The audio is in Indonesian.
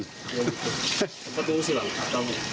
tempat ngungsi lah